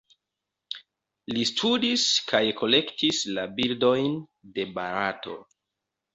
Li studis kaj kolektis la birdojn de Barato.